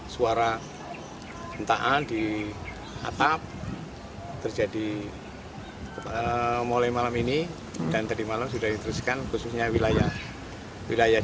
suara mentaan di atap terjadi mulai malam ini dan tadi malam sudah diteruskan khususnya wilayah wilayah